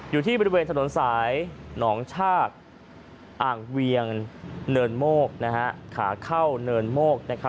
อยู่ที่บริเวณถนนสายหนองชากอ่างเวียงเนินโมกขาเข้าเนินโมก